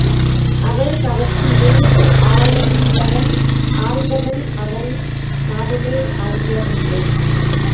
அவள் கவர்ச்சியில் ஆழ்ந்தவன் அவள் காதலை அறியவில்லை.